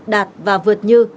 đạt và vượt như